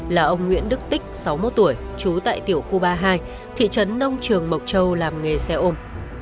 là ông nguyễn đức tích sáu mươi một tuổi trú tại tiểu khu ba mươi hai thị trấn nông trường mộc châu làm nghề xe ôm